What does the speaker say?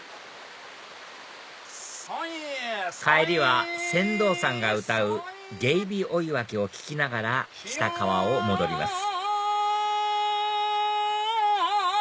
帰りは船頭さんが歌う『げいび追分』を聴きながら来た川を戻ります